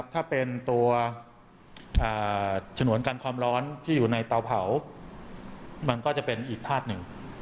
ถ้าเป็นตัวฉนวนกันความร้อนที่อยู่ในเตาเผามันก็จะเป็นอีกธาตุหนึ่ง